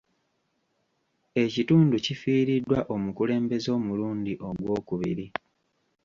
Ekitundu kifiiriddwa omukulembeze omulundi ogw'okubiri.